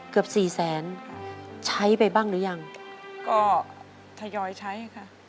เกือบสี่แสนใช้ไปบ้างหรือยังก็ทยอยใช้ค่ะ